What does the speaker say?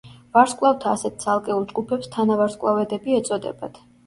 ვარსკვლავთა ასეთ ცალკეულ ჯგუფებს თანავარსკვლავედები ეწოდებათ.